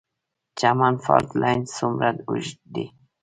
چمن فالټ لاین څومره اوږد دی؟